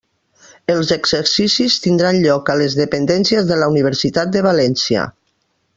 Els exercicis tindran lloc a les dependències de la Universitat de València.